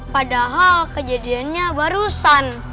padahal kejadiannya barusan